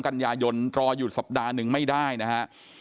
กันยายนรออยู่สัปดาห์หนึ่งไม่ได้นะฮะ